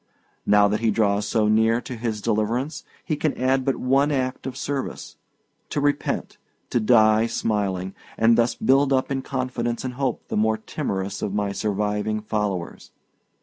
Now that he draws so near to his deliverance, he can add but one act of service: to repent, to die smiling, and thus to build up in confidence and hope the more timorous of my surviving followers.